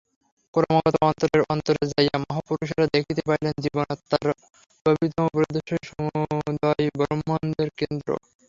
ক্রমাগত অন্তরের অন্তরে যাইয়া মহাপুরুষেরা দেখিতে পাইলেন, জীবাত্মার গভীরতম প্রদেশেই সমুদয় ব্রহ্মাণ্ডের কেন্দ্র।